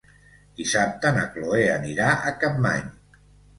Dissabte na Chloé anirà a Capmany.